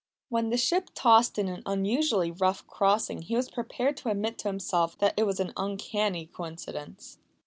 When the ship tossed in an unusually rough crossing he was prepared to admit to himself that it was an uncanny coincidence.